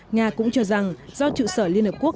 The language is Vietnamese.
nga cũng cho rằng do trụ sở liên hợp quốc